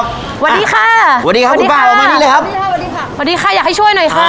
สวัสดีค่ะอยากให้ช่วยหน่อยค่ะ